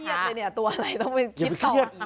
เทียดเลยเนี่ยตัวอะไรต้องไปคิดต่ออีก